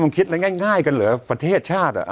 คิดอะไรง่ายกันเหรอประเทศชาติ